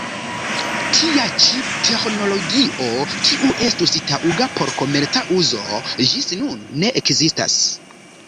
Tia ĉi teĥnologio, kiu estus taŭga por komerca uzo, ĝis nun ne ekzistas.